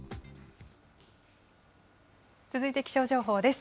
続いて気象情報です。